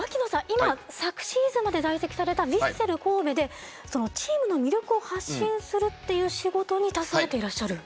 今昨シーズンまで在籍されたヴィッセル神戸でチームの魅力を発信するっていう仕事に携わっていらっしゃる？